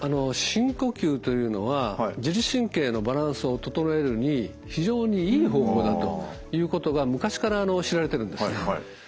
深呼吸というのは自律神経のバランスを整えるのに非常にいい方法だということが昔から知られてるんですね。